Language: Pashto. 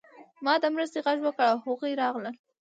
ما د مرستې غږ وکړ او هغوی راغلل